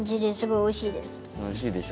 おいしいでしょ。